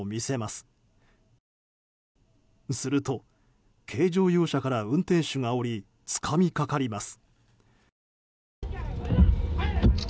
すると軽乗用車から運転手が降りつかみかかります。